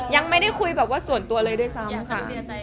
ยังไม่ได้คุยแบบว่าส่วนตัวเลยด้วยซ้ำค่ะ